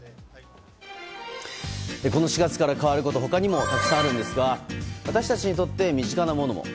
この４月から変わること他にもたくさんあるんですが私たちにとって、身近なものも。